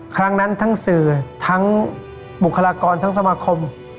ครั้งนั้นทั้งสื่อทั้งบุคลากรทั้งสมาคม